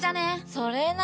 それな。